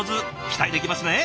期待できますね。